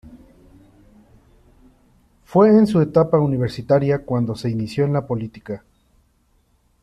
Fue en su etapa universitaria cuando se inició en la política.